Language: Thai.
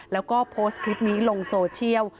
แล้วก็โพสต์คลิปนี้ลงโซเชียล